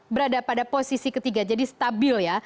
berada pada posisi ke tiga jadi stabil ya